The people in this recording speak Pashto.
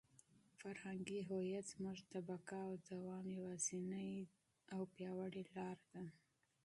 فرهنګي هویت زموږ د بقا او د دوام یوازینۍ او پیاوړې لاره ده.